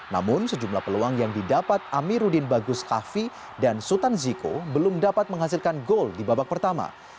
namun sejumlah peluang yang didapat amiruddin bagus kahvi dan sultan ziko belum dapat menghasilkan gol di babak pertama